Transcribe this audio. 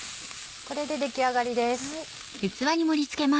これで出来上がりです。